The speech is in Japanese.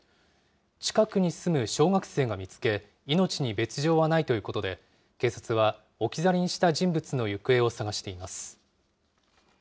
近くに住む小学生が見つけ、命に別状はないということで、警察は置き去りにした人物の行方を捜しています。